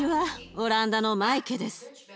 オランダのマイケです。